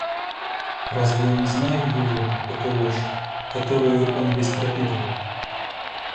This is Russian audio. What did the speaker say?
Разве я не знаю его, эту ложь, которою он весь пропитан?..